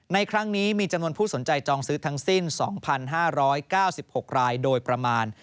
ในครั้งนี้มีจำนวนผู้สนใจจองซื้อทั้งสิ้น๒๕๙๖รายโดยประมาณ